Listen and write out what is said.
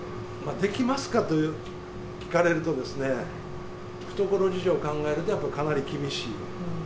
できますか？と聞かれると、懐事情を考えると、やっぱかなり厳しい。